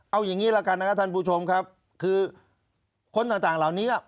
เอาอย่างนี้ละกันนะครับท่านผู้ชมครับคือคนต่างเหล่านี้